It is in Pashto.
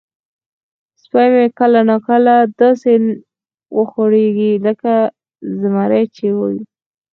سپی مې کله نا کله داسې وخوریږي لکه زمری چې وي.